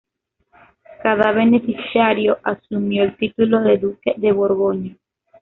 Cada beneficiario asumió el título de duque de Borgoña.